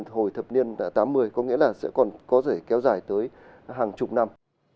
hồi thập niên tám mươi có nghĩa là sẽ còn có thể kéo dài tới hàng chục năm